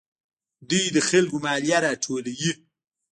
دوی له خلکو مالیه راټولوي.